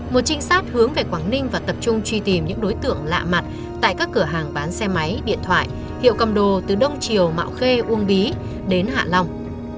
một trinh sát hướng về quảng ninh và tập trung truy tìm những đối tượng lạ mặt tại các cửa hàng bán xe máy điện thoại hiệu cầm đồ từ đông triều mạo khê uông bí đến hạ long